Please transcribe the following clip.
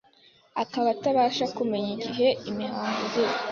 Akaba atabasha kumenya igihe imihango izira